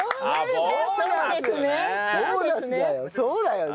そうだよね。